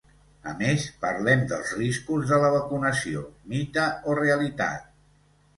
A més, parlem dels riscos de la vacunació: mite o realitat?